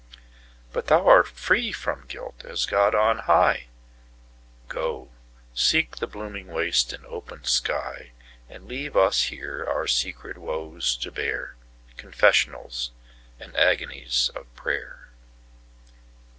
But thou art free from guilt as God on high; Go, seek the blooming waste and open sky, And leave us here our secret woes to bear, Confessionals and agonies of prayer.